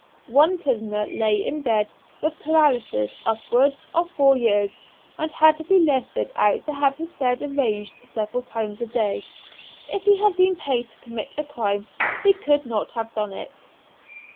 One prisoner lay in bed with paralysis upwards of four years, and had to be lifted out to have his bed arranged several times a day: if he had been paid to commit a crime he could not have done it.